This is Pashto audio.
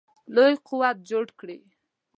لوی قوت جوړ کړي.